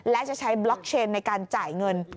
และจะใช้บล็อกเชนในการจ่ายเงิน